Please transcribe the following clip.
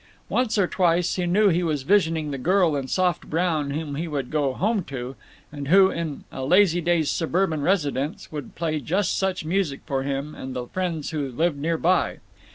Once or twice he knew that he was visioning the girl in soft brown whom he would "go home to," and who, in a Lazydays suburban residence, would play just such music for him and the friends who lived near by.